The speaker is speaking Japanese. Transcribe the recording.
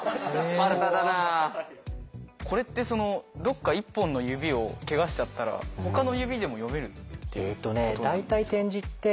これってそのどっか１本の指をけがしちゃったらほかの指でも読める？